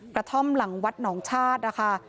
กระท่อมหลังวัดหนองชาตินะคะ